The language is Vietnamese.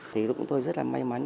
thì tôi cũng rất là may mắn